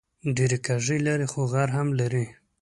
ډېرې کږې لارې خو غر هم لري